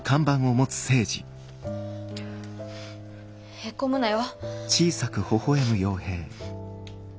へこむなよ。